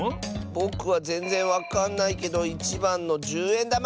ぼくはぜんぜんわかんないけど１ばんのじゅうえんだま！